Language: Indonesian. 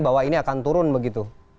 bahwa ini akan turun begitu